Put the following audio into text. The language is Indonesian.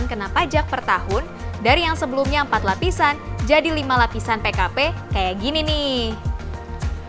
kena pajak per tahun dari yang sebelumnya empat lapisan jadi lima lapisan pkp kayak gini nih